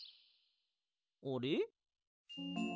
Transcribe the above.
あれ？